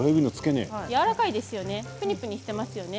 やわらかいですよね。